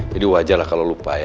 jadi wajahlah kalau lupa ya